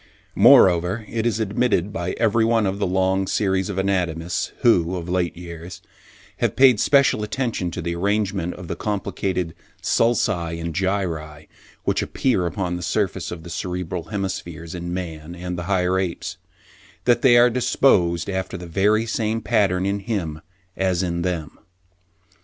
Moreover, it is admitted by every one of the long series of anatomists who, of late years, have paid special attention to the arrangement of the complicated sulci and gyri which appear upon the surface of the cerebral hemispheres in man and the higher apes, that they are disposed after the very same pattern in him, as in them.